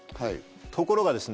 ところがですね